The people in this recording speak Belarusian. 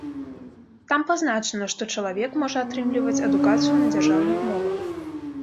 Там пазначана, што чалавек можа атрымліваць адукацыю на дзяржаўных мовах.